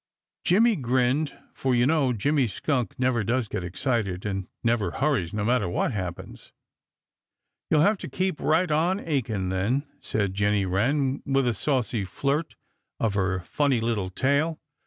Jimmy grinned, for you know Jimmy Skunk never does get excited and never hurries, no matter what happens. "You'll have to keep right on aching then," replied Jenny Wren, with a saucy flirt of her funny little tail.